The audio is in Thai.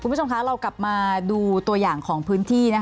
คุณผู้ชมคะเรากลับมาดูตัวอย่างของพื้นที่